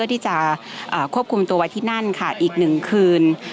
ที่จะควบคุมตัวไว้ที่นั่นค่ะอีกหนึ่งคืน